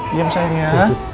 diam sayang ya